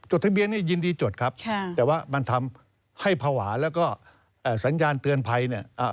ทะเบียนนี่ยินดีจดครับแต่ว่ามันทำให้ภาวะแล้วก็สัญญาณเตือนภัยเนี่ย